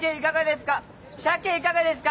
鮭いかがですか！